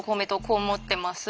こう思ってます。